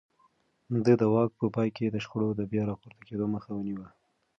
ده د واک په پای کې د شخړو د بيا راپورته کېدو مخه ونيوه.